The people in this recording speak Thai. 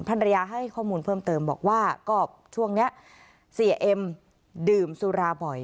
ภรรยาให้ข้อมูลเพิ่มเติมบอกว่าก็ช่วงนี้เสียเอ็มดื่มสุราบ่อย